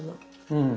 うん。